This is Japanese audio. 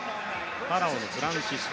パラオのフランシスコ。